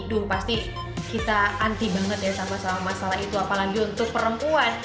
aduh pasti kita anti banget ya sama sama masalah itu apalagi untuk perempuan